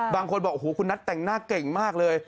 บางคนบอกโอ้โหคุณนัทแต่งหน้าเก่งมากเลย